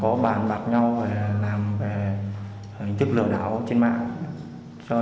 có bàn bạc nhau về làm về hình thức lừa đảo trên mạng